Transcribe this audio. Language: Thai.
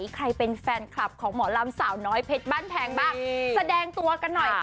ใครเป็นแฟนคลับของหมอลำสาวน้อยเพชรบ้านแพงบ้างแสดงตัวกันหน่อยค่ะ